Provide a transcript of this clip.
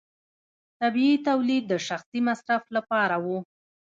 طبیعي تولید د شخصي مصرف لپاره و.